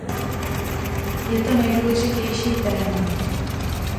Je to nejdůležitější téma.